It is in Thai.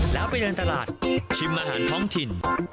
แล้วไปเดินตลาดชิมอาหารท้องถิ่น